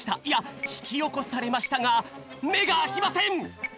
いやひきおこされましたがめがあきません！